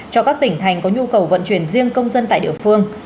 cho các tỉnh thành có nhu cầu vận chuyển riêng công dân tại địa phương